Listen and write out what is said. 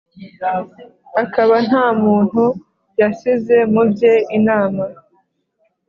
akaba nta muntu yasize mu bye inama